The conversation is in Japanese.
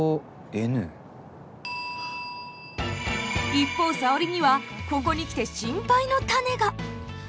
一方沙織にはここに来て心配の種が。